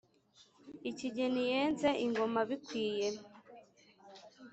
ikigeni yenze ingoma abikwiye